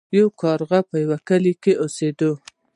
یو کارغه په یوه کلي کې اوسیده.